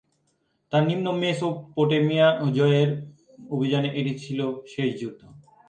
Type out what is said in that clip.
তার নিম্ন মেসোপটেমিয়া জয়ের অভিযানে এটা ছিল শেষ যুদ্ধ।